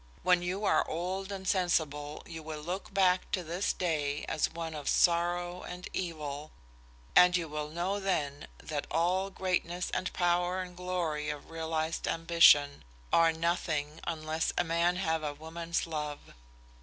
When you are old and sensible you will look back to this day as one of sorrow and evil, and you will know then that all greatness and power and glory of realized ambition are nothing unless a man have a woman's love.